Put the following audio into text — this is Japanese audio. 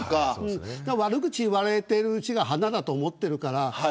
だから悪口言われているうちが華だと思っているから。